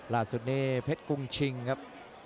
ล่าสุดนี้เพชรกรุงชิงครับ